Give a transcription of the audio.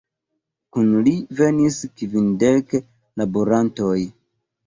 Kun li venis kvindek laborantoj.